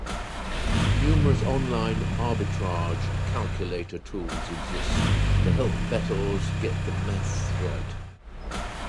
Numerous online arbitrage calculator tools exist to help bettors get the math right.